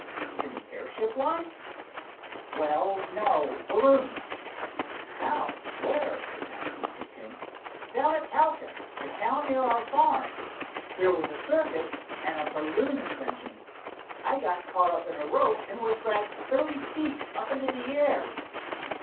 "In the airship line?" "Well, no—balloons." "How? Where?" asked Mr. King. "Down at Talcott, the town near our farm. There was a circus and a balloon ascension. I got caught in a rope and was dragged thirty feet up into the air."